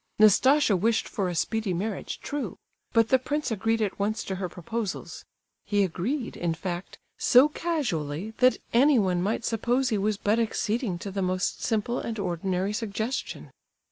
Nastasia wished for a speedy marriage, true!—but the prince agreed at once to her proposals; he agreed, in fact, so casually that anyone might suppose he was but acceding to the most simple and ordinary suggestion.